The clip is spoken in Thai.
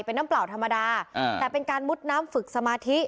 เป็นน้ำเปล่าธรรมดาแต่เป็นการมุดน้ำฝึกสมาธิ